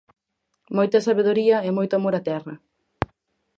Moita sabedoría e moito amor á terra.